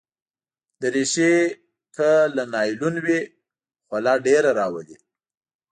دریشي که له نایلون وي، خوله ډېره راولي.